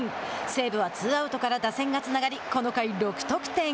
西武はツーアウトから打線がつながり、この回６得点。